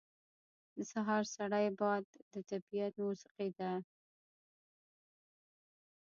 • د سهار سړی باد د طبیعت موسیقي ده.